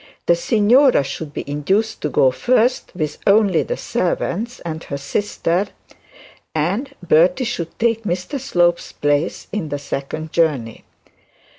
The signora should be induced to go first, with only the servants and her sister, and Bertie should take Mr Slope's place in the second journey.